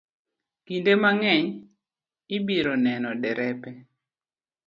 Kinde mang'eny, ibiro neno derepe